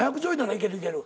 「いけるいける」